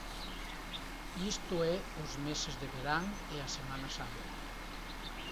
Isto é os meses de verán e a Semana Santa.